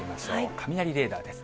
雷レーダーです。